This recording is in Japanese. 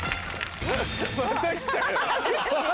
また来たよ。